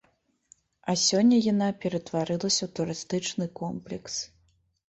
А сёння яна ператварылася ў турыстычны комплекс.